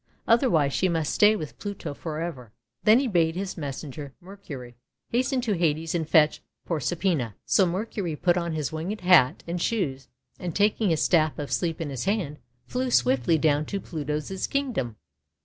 Otherwise, she must stay with Pluto for ever." Then he bade his messenger, Mercury, hasten to Hades and fetch Proserpina. So Mercury put on his winged hat and shoes, and taking his Staff of Sleep in his hand flew swiftly down to Pluto's Kingdom.